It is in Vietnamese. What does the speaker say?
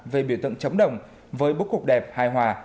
về biểu tượng chống đồng với bố cục đẹp hài hòa